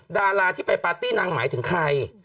ดาราที่ไปปาร์ตี้นางหมายถึงใคร